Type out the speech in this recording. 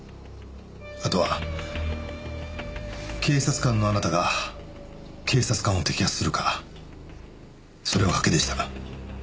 あとは警察官のあなたが警察官を摘発するかそれは賭けでした。